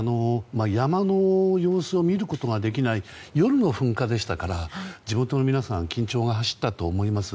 山の様子を見ることができない夜の噴火でしたから地元の皆さんは緊張が走ったと思います。